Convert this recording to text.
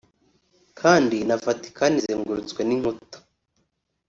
kandi na Vatican izengurutswe n’inkuta